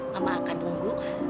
mama akan tunggu